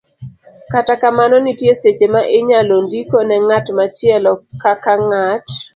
Kata kamano, nitie seche ma inyalo ndiko ne ng'at machielo, kaka ng'at .